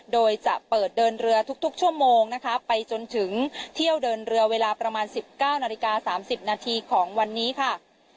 โดยจะเปิดเดินเรือทุกชั่วโมงนะคะไปจนถึงเที่ยวเดินเรือเวลาประมาณ๑๙นาฬิกา๓๐นาทีของวันนี้ค่ะ